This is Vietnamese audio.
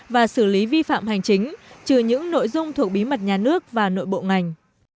và xử lý vi phạm hành chính trừ những nội dung thuộc bí mật nhà nước và nội bộ ngành